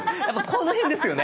この辺ですよね。